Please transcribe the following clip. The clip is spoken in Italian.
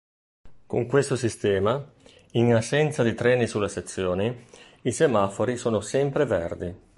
Con questo sistema, in assenza di treni sulle sezioni, i semafori sono sempre verdi.